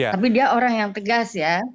tapi dia orang yang tegas ya